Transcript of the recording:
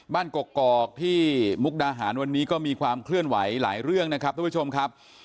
บ้านกรกอกที่มุกดาหารวันนี้ก็มีความเคลื่อนไหวหลายเรื่องนะครับ